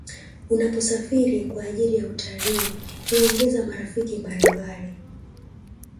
unaposarifiri kwa ajiri ya utalii huongeza marafiki mbalimbali